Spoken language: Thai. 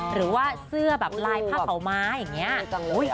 หรือว่าเสื้อแบบลายผ้าขาวม้าอย่างนี้